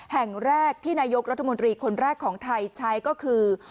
แห่งแรกที่นายกรัฐมนตรีคนแรกของไทยใช้ก็คือ